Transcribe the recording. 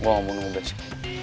gue mau nunggu basecamp